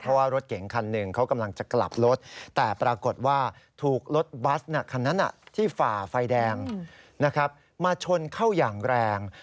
เพราะว่ารถเก๋งคันหนึ่งเขากำลังจะกลับรถแต่ปรากฏว่าถูกรถบัสคันนั้นที่ฝ่าไฟแดงมาชนเข้าอย่างแรง